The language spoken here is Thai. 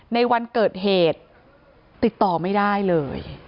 ในวันเกิดเหตุติดต่อไม่ได้เลย